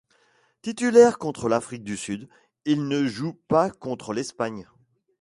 Titulaire contre l'Afrique du Sud, il ne joue pas contre l'Espagne.